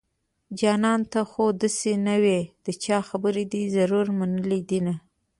جانانه ته خو داسې نه وي د چا خبرې دې ضرور منلي دينه